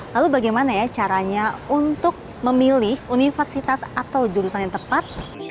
lalu bagaimana ya caranya untuk memilih universitas atau jurusan yang tepat